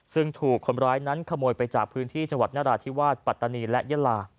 ซึ่งถูกคนร้ายนั้นขโมยไปจากพื้นที่จังหวัดนราธิวาสปัตตานีและยาลา